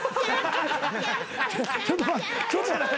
ちょっと待って。